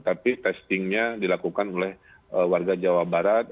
tapi testingnya dilakukan oleh warga jawa barat